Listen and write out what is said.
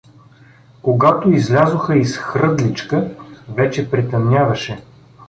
Когато излязоха из Хръдличка, вече притъмняваше.